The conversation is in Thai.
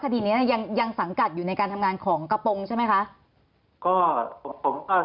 คดีเนี้ยยังยังสังกัดอยู่ในการทำงานของกระป๋งใช่ไหมค่ะ